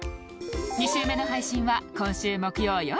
２週目の配信は今週木曜よる